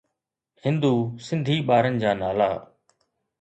هِندُو سنڌي ٻارن جا نالا